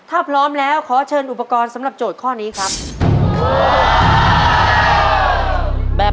ถ้าพร้อมแล้วขอเชิญอุปกรณ์สำหรับโจทย์ข้อนี้ครับ